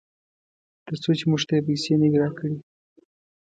ترڅو چې موږ ته یې پیسې نه وي راکړې.